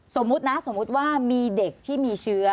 สมมุตินะสมมุติว่ามีเด็กที่มีเชื้อ